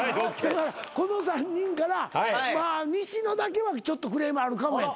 この３人から西野だけはちょっとクレームあるかも。